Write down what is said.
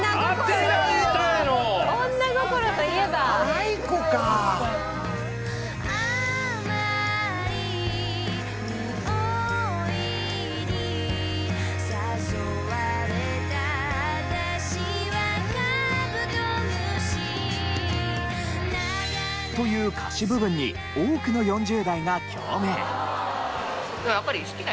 「ａｉｋｏか」という歌詞部分に多くの４０代が共鳴。